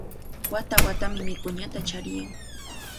Wata-watami wikuñata chariyan.